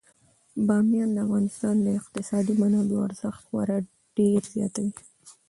بامیان د افغانستان د اقتصادي منابعو ارزښت خورا ډیر زیاتوي.